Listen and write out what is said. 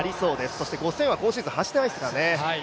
そして５０００は今シーズン走っていないですからね。